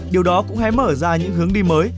điều đó cũng hãy mở ra những hướng đi mới